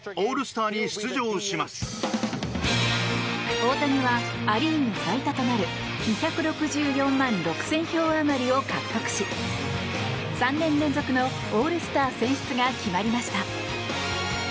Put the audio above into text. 大谷はア・リーグ最多となる２６４万６０００票あまりを獲得し３年連続のオールスター選出が決まりました。